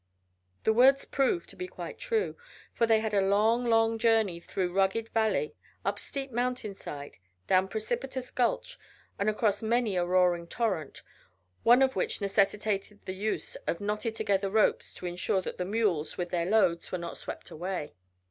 The words proved to be quite true, for they had a long, long journey through rugged valley, up steep mountain side, down precipitous gulch, and across many a roaring torrent, one of which necessitated the use of knotted together ropes to ensure that the mules with their loads were not swept away.